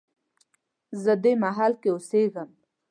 زه دې محلې کې اوسیږم